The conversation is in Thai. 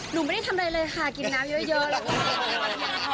หนูไม่ได้ทำอะไรเลยค่ะกินน้ำเยอะหรอก